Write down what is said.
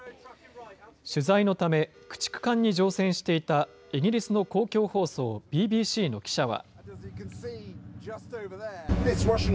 取材のため駆逐艦に乗船していたイギリスの公共放送ＢＢＣの記者は。